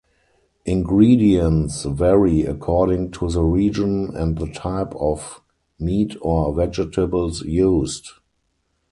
Ingredients vary according to the region and the type of meat or vegetables used.